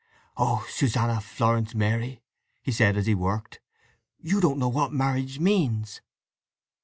"O Susanna Florence Mary!" he said as he worked. "You don't know what marriage means!"